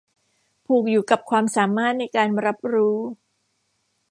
ผูกอยู่กับความสามารถในการรับรู้